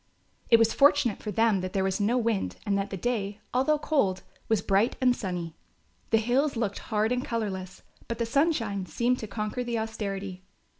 It was fortunate for them that there was no wind and that the day, although cold, was bright and sunny. The hills looked hard and colourless, but the sunshine seemed to conquer the austerity.